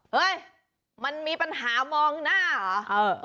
เฮ้ยมันมีปัญหามองหน้าเหรอ